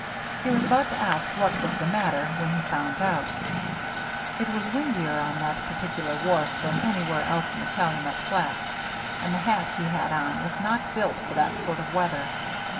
He was about to ask what was the matter when he found out. It was windier on that particular wharf than anywhere else in the Calumet flats, and the hat he had on was not built for that sort of weather.